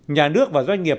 nhà nước và doanh nghiệp